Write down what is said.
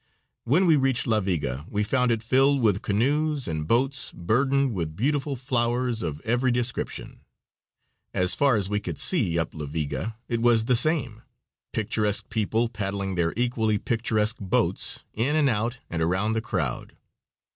When we reached La Viga we found it filled with canoes and boats burdened with beautiful flowers of every description. As far as we could see up La Viga it was the same picturesque people paddling their equally picturesque boats in and out and around the crowd.